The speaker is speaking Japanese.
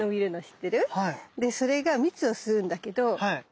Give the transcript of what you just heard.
でそれが蜜を吸うんだけど。